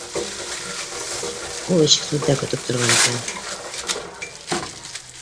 Ул ишек төбөндә көтөп торған икән.